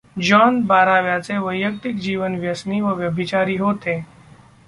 John बाराव्याचे वैयक्तिक जीवन व्यसनी व व्यभिचारी होते.